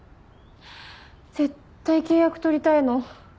絶対契約取りたいの。